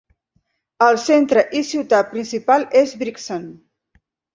El centre i ciutat principal és Brixen.